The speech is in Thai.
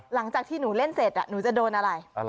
หลังจากที่หนูเล่นเสร็จหนูจะโดนอะไร